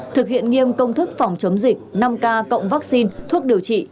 thực hiện nghiêm công thức phòng chống dịch năm k cộng vaccine thuốc điều trị